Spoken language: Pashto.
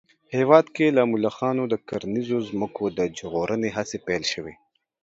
هېواد کې له ملخانو د کرنیزو ځمکو د ژغورنې هڅې پيل شوې